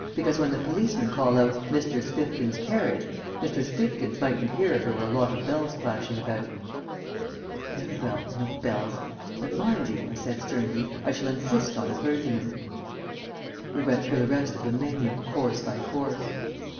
Because when the policemen call out 'Mr. Spifkins' carriage,' Mr. Spifkins mightn't hear if there were a lot of bells clashing about." "Very well, no bells. But, mind you," I said sternly, "I shall insist on a clergyman." We went through the rest of the menu, course by course.